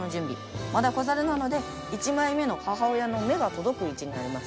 まだ子猿なので１枚目の母親の目が届く位置にあります。